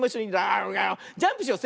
ジャンプしよう。